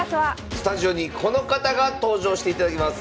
スタジオにこの方が登場していただきます。